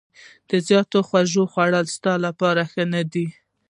د زیاتو خوږو خوړل ستا لپاره ښه نه دي.